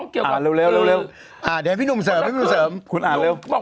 คุณอ่านเร็ว